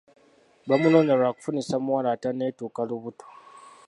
Bamunoonya lwa kufunisa muwala atanetuuka lubuto.